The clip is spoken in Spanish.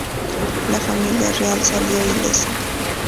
La Familia Real salió ilesa.